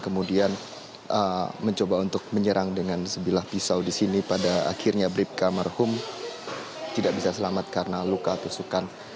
kemudian mencoba untuk menyerang dengan sebilah pisau di sini pada akhirnya bribka marhum tidak bisa selamat karena luka tusukan